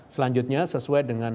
selanjutnya sesuai dengan